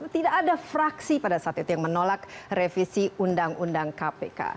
tidak ada fraksi pada saat itu yang menolak revisi undang undang kpk